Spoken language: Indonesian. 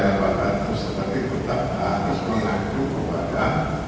tetapi tetap harus mengaku kepada